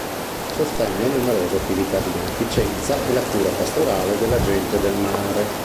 Sostenne numerose attività di beneficenza e la cura pastorale della gente del mare.